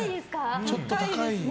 ちょっと高い。